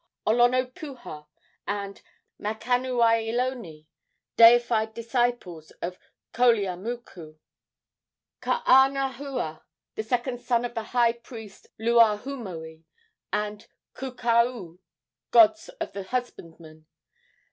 Olonopuha and Makanuiailone, deified disciples of Koleamoku. Kaanahua, the second son of the high priest Luahoomoe, and Kukaoo, gods of the husbandman.